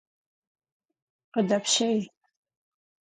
Къыдэпщей!